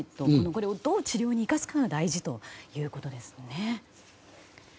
これをどう治療に生かすかが大事ということですね。